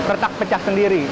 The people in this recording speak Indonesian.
retak pecah sendiri